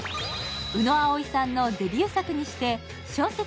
宇野碧さんのデビュー作にして小説